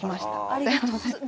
ありがとうございます。